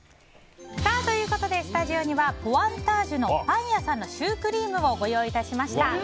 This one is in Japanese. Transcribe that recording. ということでスタジオにはポワンタージュのパン屋さんのシュークリームをご用意しました。